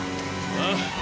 ああ。